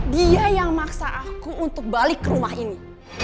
dia yang maksa aku untuk balik ke rumah ini